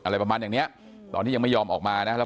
อะไรประมาณอย่างเนี้ยตอนที่ยังไม่ยอมออกมานะแล้ว